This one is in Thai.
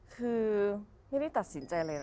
คือไม่ได้ตัดสินใจเลย